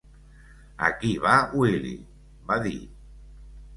"Aquí va Willie", va dir.